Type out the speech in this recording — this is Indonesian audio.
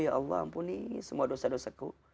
ya allah ampuni semua dosa dosaku